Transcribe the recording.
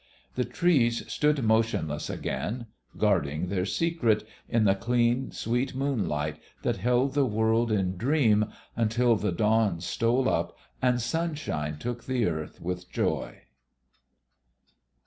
The trees stood motionless again, guarding their secret in the clean, sweet moonlight that held the world in dream until the dawn stole up and sunshine took the earth with joy.